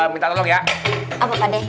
minta tolong ya apa pak de